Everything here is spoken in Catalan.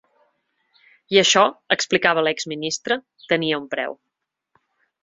I això, explicava l’ex-ministre, tenia un preu.